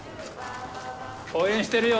応援してるよ。